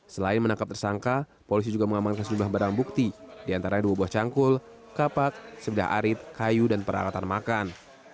selain menangkap tersangka polisi juga mengamankan sejumlah barang bukti diantara dua buah cangkul kapak sebelah arit kayu dan peralatan makan